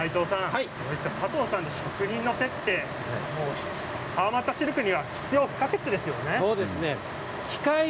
佐藤さんのように職人の手って川俣シルクには必要不可欠ですよね。